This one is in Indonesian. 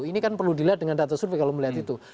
ini kan perlu dilihat dengan data survei kalau melihat itu